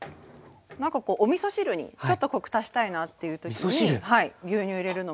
なんかおみそ汁にちょっとコク足したいなっていう時に牛乳入れるのもすごくおすすめ。